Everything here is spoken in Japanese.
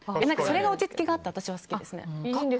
落ち着きがあって私は好きですね。